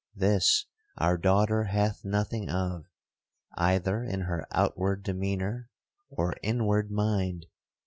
This our daughter hath nothing of, either in her outward demeanour, or inward mind.